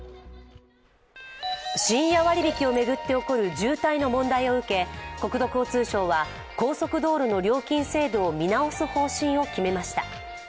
深夜割引を巡って起こる渋滞の問題を受け、国土交通省は、高速道路の料金制度を見直す方針を決めました。